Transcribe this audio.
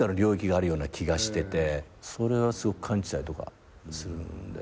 それはすごく感じたりするんで。